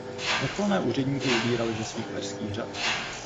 Vrcholné úředníky vybírali ze svých perských řad.